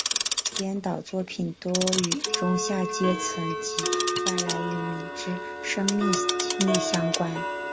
编导作品多与中下阶层及外来移民之生命经历相关。